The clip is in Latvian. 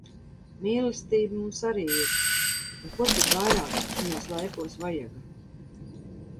Mīlestība mums arī ir un ko tad vairāk šinīs laikos vajaga.